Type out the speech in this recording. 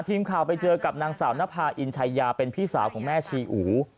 ทีมข่าวไปเจอกับนางสาวนภาอินชัยยาเป็นพี่สาวของแม่ชีอู